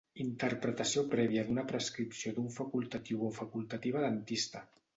Interpretació prèvia d'una prescripció d'un facultatiu o facultativa dentista.